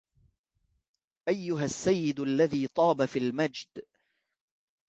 أيها السيد الذي طاب في المجد